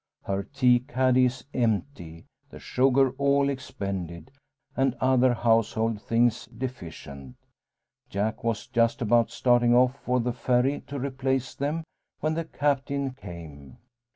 Her tea caddy is empty, the sugar all expended, and other household things deficient. Jack was just about starting off for the Ferry to replace them when the Captain came.